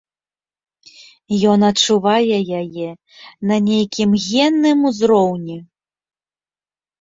Ён адчувае яе на нейкім генным узроўні.